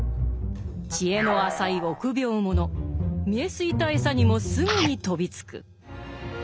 知恵の浅い臆病者見え透いた餌にもすぐに飛びつく。